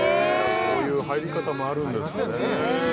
そういう入り方もあるんですねありますよね